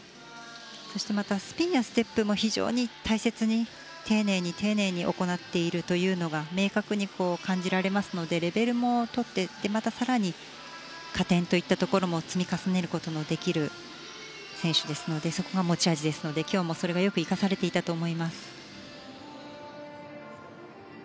そしてまたスピンやステップも非常に大切に丁寧に丁寧に行っているのが明確に感じられますのでレベルもとってまた更に加点といったところも積み重ねることのできる選手ですのでそこが持ち味ですので、今日も生かされていたと思います。